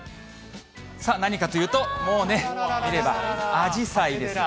さあ、何かというと、もうね、見れば、あじさいです。